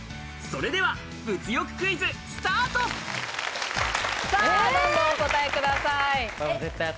それでは物欲クイズさあ、どんどんお答えください。